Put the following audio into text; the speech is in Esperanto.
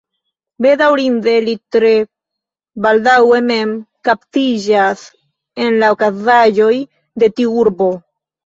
Bedaŭrinde, li tre baldaŭ mem kaptiĝas en la okazaĵoj de tiu urbo.